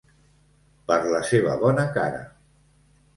Per la seva bona cara.